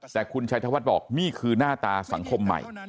แต่คุณชัยธวัฒน์บอกนี่คือหน้าตาสังคมใหม่